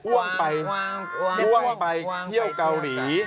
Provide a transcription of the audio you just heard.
อ้วงไปเที่ยวเกาหลี